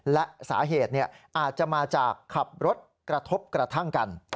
และสาเหตุอาจจะมาจากขับรถกระทบกระทั่งกัน